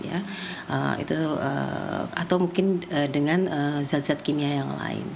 atau mungkin dengan zat zat kimia yang lain